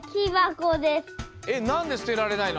えっなんですてられないの？